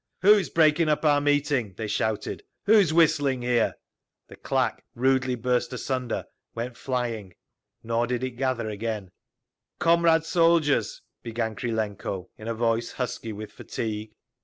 "Who is breaking up our meeting?" they shouted. "Who is whistling here?" The claque, rudely burst asunder, went flying—nor did it gather again…. "Comrade soldiers!" began Krylenko, in a voice husky with fatigue.